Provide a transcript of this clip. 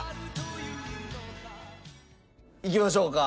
いきましょうか。